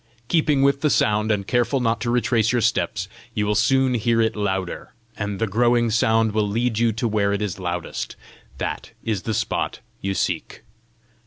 Keeping with the sound, and careful not to retrace your steps, you will soon hear it louder, and the growing sound will lead you to where it is loudest: that is the spot you seek.